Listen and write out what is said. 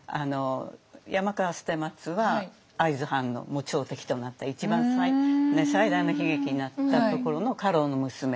山川捨松は会津藩の朝敵となった一番最大の悲劇になったところの家老の娘。